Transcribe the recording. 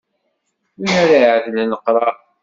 Wi ara iɛedlen leqrar.